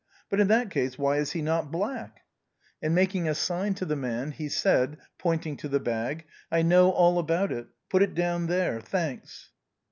But in that case why is he not black ?" And making a sign to the man, he said, pointing to the bag, " I know all about it. Put it down there. Thanks."